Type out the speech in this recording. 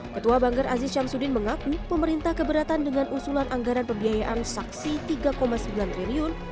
ketua banggar aziz syamsuddin mengaku pemerintah keberatan dengan usulan anggaran pembiayaan saksi rp tiga sembilan triliun